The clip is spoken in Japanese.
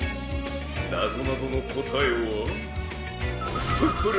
なぞなぞのこたえはプップル